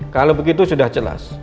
kalau begitu sudah jelas